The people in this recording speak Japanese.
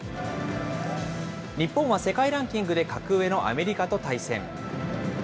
日本は世界ランキングで格上のアメリカと対戦。